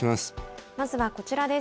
まずはこちらです。